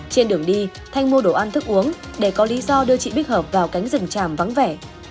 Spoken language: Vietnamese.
trên đường đi thanh mua đồ ăn thức uống để có lý do đưa chị bích hợp vào cánh rừng tràm vắng vẻ